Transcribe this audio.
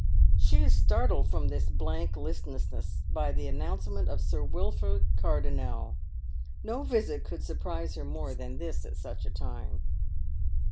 She is startled from tliis blank listlessness by the announcement of Sir Wilford Cardonnel. No visit could surprise her more than this at such a time.